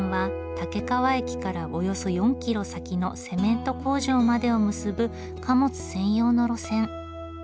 武川駅からおよそ４キロ先のセメント工場までを結ぶ貨物専用の路線。